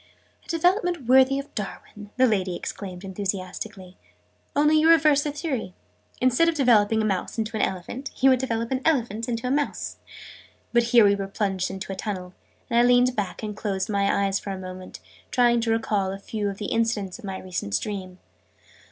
"A development worthy of Darwin!", the lady exclaimed enthusiastically. "Only you reverse his theory. Instead of developing a mouse into an elephant, you would develop an elephant into a mouse!" But here we plunged into a tunnel, and I leaned back and closed my eyes for a moment, trying to recall a few of the incidents of my recent dream.